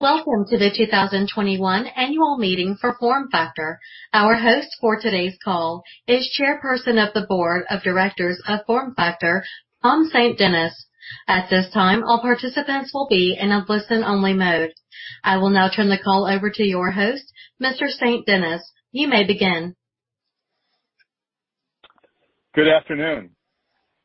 Welcome to the 2021 Annual Meeting for FormFactor. Our host for today's call is Chairperson of the Board of Directors of FormFactor, Tom St. Dennis. At this time, all participants will be in a listen-only mode. I will now turn the call over to your host, Mr. St. Dennis. You may begin. Good afternoon.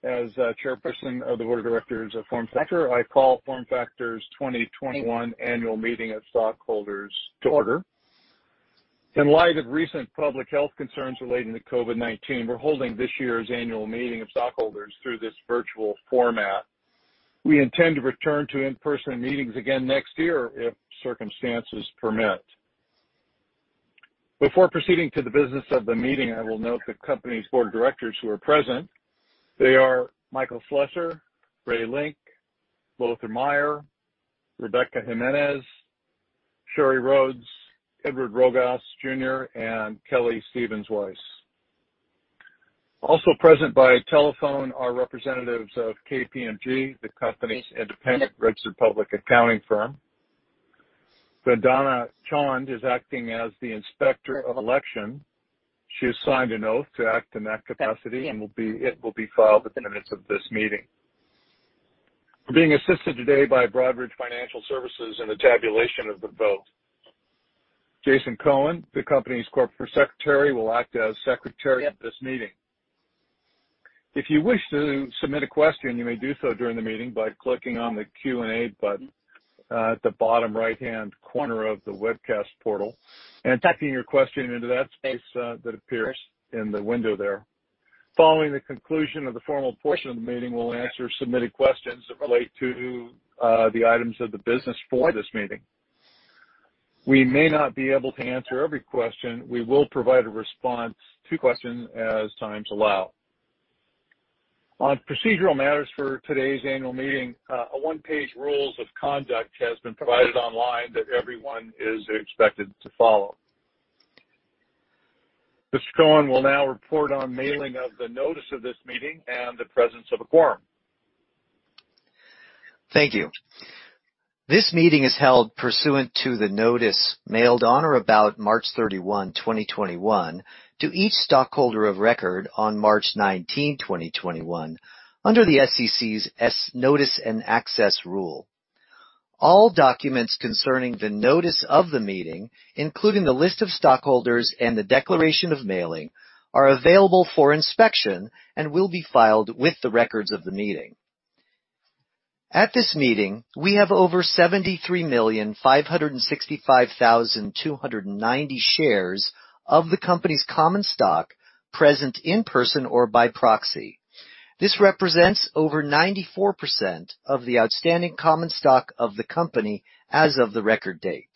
As Chairperson of the Board of Directors of FormFactor, I call FormFactor's 2021 Annual Meeting of Stockholders to order. In light of recent public health concerns relating to COVID-19, we're holding this year's annual meeting of stockholders through this virtual format. We intend to return to in-person meetings again next year if circumstances permit. Before proceeding to the business of the meeting, I will note the company's board of directors who are present. They are Michael Slessor, Ray Link, Lothar Maier, Rebeca Jimenez, Sheri Rhodes, Edward Rogas Jr., and Kelley Steven-Waiss. Also present by telephone are representatives of KPMG, the company's independent registered public accounting firm. Sundana Chond is acting as the Inspector of Election. She has signed an oath to act in that capacity, and it will be filed with the minutes of this meeting. We're being assisted today by Broadridge Financial Solutions in the tabulation of the vote. Jason Cohen, the company's Corporate Secretary, will act as Secretary at this meeting. If you wish to submit a question, you may do so during the meeting by clicking on the Q&A button at the bottom right-hand corner of the webcast portal and typing your question into that space that appears in the window there. Following the conclusion of the formal portion of the meeting, we'll answer submitted questions that relate to the items of the business for this meeting. We may not be able to answer every question. We will provide a response to questions as time allows. On procedural matters for today's annual meeting, a one-page rules of conduct has been provided online that everyone is expected to follow. Mr. Cohen will now report on mailing of the notice of this meeting and the presence of a quorum. Thank you. This meeting is held pursuant to the notice mailed on or about March 31, 2021, to each stockholder of record on March 19, 2021, under the SEC's Notice and Access rule. All documents concerning the notice of the meeting, including the list of stockholders and the declaration of mailing, are available for inspection and will be filed with the records of the meeting. At this meeting, we have over 73,565,290 shares of the company's common stock present in person or by proxy. This represents over 94% of the outstanding common stock of the company as of the record date.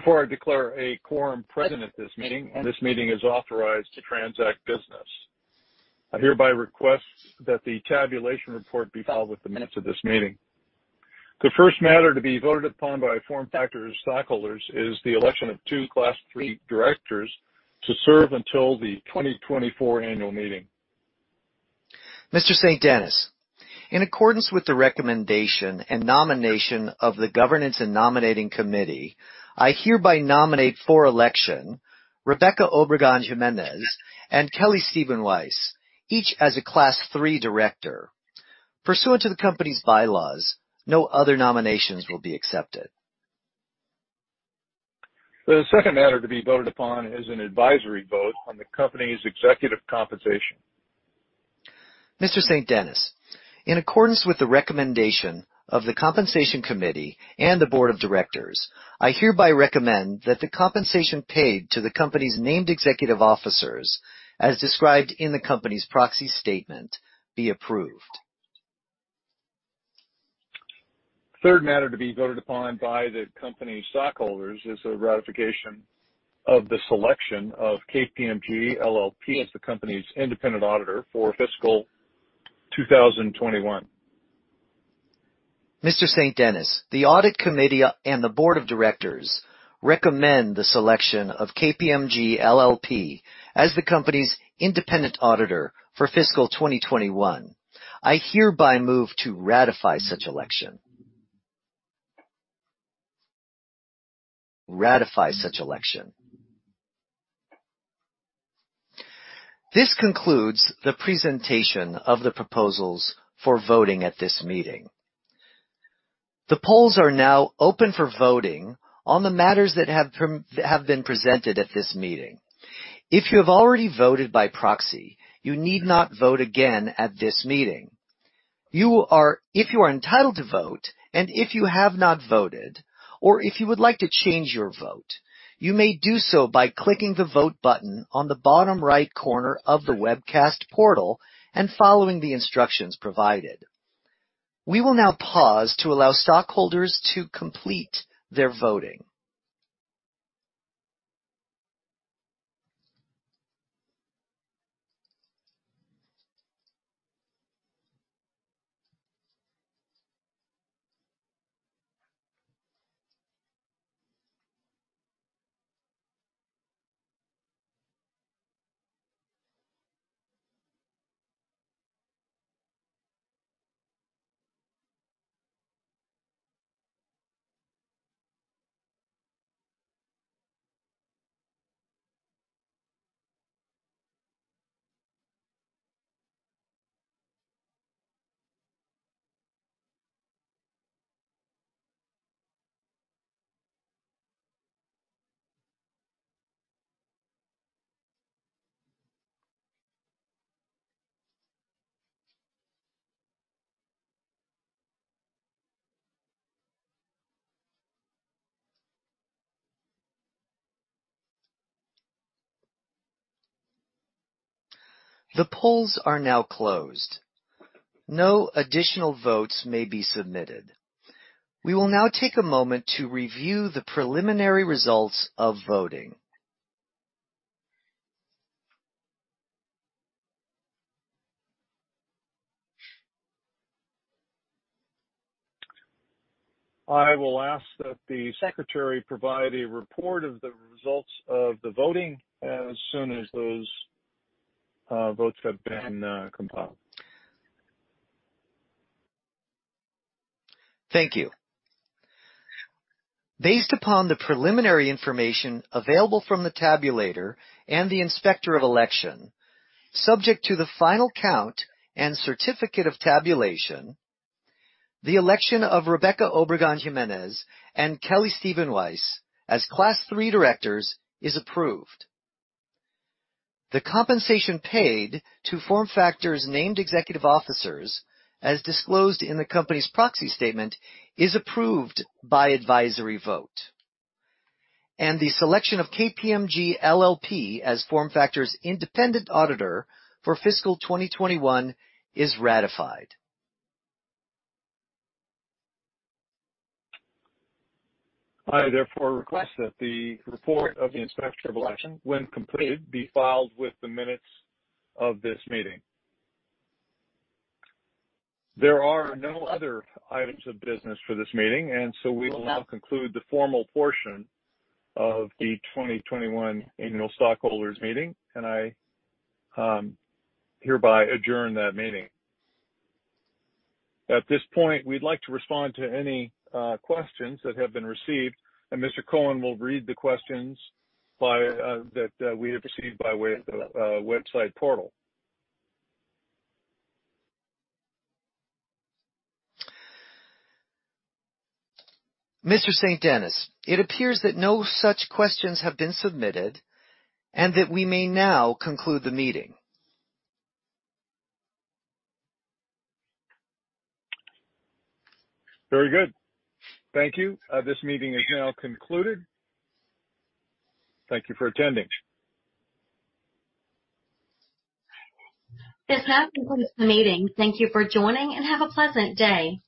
I declare a quorum present at this meeting, and this meeting is authorized to transact business. I hereby request that the tabulation report be filed with the minutes of this meeting. The first matter to be voted upon by FormFactor's stockholders is the election of two Class III directors to serve until the 2024 annual meeting. Mr. St. Dennis, in accordance with the recommendation and nomination of the Governance and Nominating Committee, I hereby nominate for election Rebeca Obregon-Jimenez and Kelley Steven-Waiss, each as a Class III director. Pursuant to the company's bylaws, no other nominations will be accepted. The second matter to be voted upon is an advisory vote on the company's executive compensation. Mr. St. Dennis, in accordance with the recommendation of the Compensation Committee and the Board of Directors, I hereby recommend that the compensation paid to the company's named executive officers, as described in the company's proxy statement, be approved. Third matter to be voted upon by the company's stockholders is the ratification of the selection of KPMG LLP as the company's independent auditor for fiscal 2021. Mr. St. Dennis, the Audit Committee and the Board of Directors recommend the selection of KPMG LLP as the company's independent auditor for fiscal 2021. I hereby move to ratify such election. This concludes the presentation of the proposals for voting at this meeting. The polls are now open for voting on the matters that have been presented at this meeting. If you have already voted by proxy, you need not vote again at this meeting. If you are entitled to vote and if you have not voted, or if you would like to change your vote, you may do so by clicking the Vote button on the bottom right corner of the webcast portal and following the instructions provided. We will now pause to allow stockholders to complete their voting. The polls are now closed. No additional votes may be submitted. We will now take a moment to review the preliminary results of voting. I will ask that the secretary provide a report of the results of the voting as soon as those votes have been compiled. Thank you. Based upon the preliminary information available from the tabulator and the Inspector of Election, subject to the final count and certificate of tabulation, the election of Rebeca Obregon-Jimenez and Kelley Steven-Waiss as Class III directors is approved. The compensation paid to FormFactor's named executive officers, as disclosed in the company's proxy statement, is approved by advisory vote. The selection of KPMG LLP as FormFactor's independent auditor for fiscal 2021 is ratified. I therefore request that the report of the inspector of election, when completed, be filed with the minutes of this meeting. There are no other items of business for this meeting. We will now conclude the formal portion of the 2021 annual stockholders meeting. I hereby adjourn that meeting. At this point, we'd like to respond to any questions that have been received. Mr. Cohen will read the questions that we have received by way of the website portal. Mr. St. Dennis, it appears that no such questions have been submitted and that we may now conclude the meeting. Very good. Thank you. This meeting is now concluded. Thank you for attending. This now concludes the meeting. Thank you for joining and have a pleasant day.